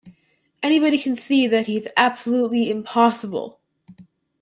Anybody can see that he's absolutely impossible.